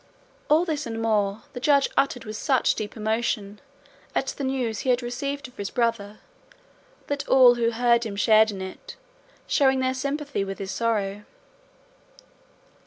All this and more the Judge uttered with such deep emotion at the news he had received of his brother that all who heard him shared in it, showing their sympathy with his sorrow.